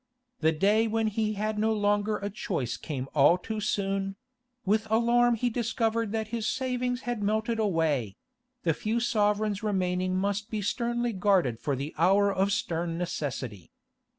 The day when he had no longer a choice came all too soon; with alarm he discovered that his savings had melted away; the few sovereigns remaining must be sternly guarded for the hour of stern necessity.